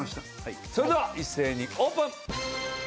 それでは一斉にオープン！